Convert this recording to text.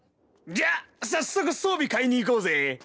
じゃ早速装備買いに行こうぜ。